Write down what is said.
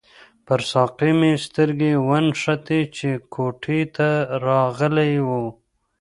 پر ساقي مې سترګې ونښتې چې کوټې ته راغلی وو.